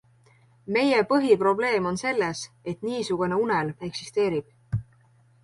Meie põhiprobleem on selles, et niisugune unelm eksisteerib.